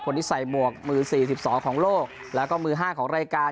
คนที่ใส่หมวกมือสี่สิบสองของโลกแล้วก็มือห้าของรายการ